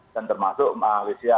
dan termasuk malaysia